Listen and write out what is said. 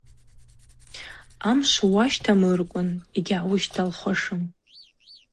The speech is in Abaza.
Амшв уащымхӏалырквын йгьгӏаущыхӏалуашым.